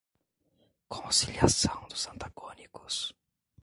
Conciliação dos antagônicos